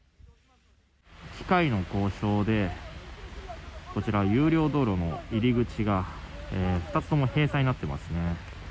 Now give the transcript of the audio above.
機械の故障でこちら有料道路の入り口が２つとも閉鎖になっていますね。